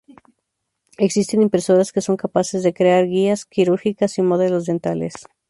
Existen impresoras que son capaces de crear guías quirúrgicas y modelos dentales.